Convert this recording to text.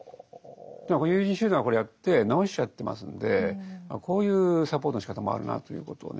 でも友人集団はこれをやって治しちゃってますのでこういうサポートのしかたもあるなということをね